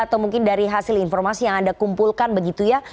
atau mungkin dari hasil informasi yang anda kumpulkan begitu ya